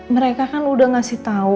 mereka kan udah ngasih tahu